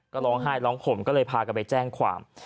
ก็ร้องไห้ร้องห่มก็เลยพากันไปแจ้งความ